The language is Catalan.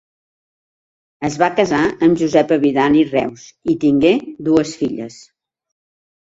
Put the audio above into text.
Es va casar amb Josepa Vidal i Reus i tingué dues filles: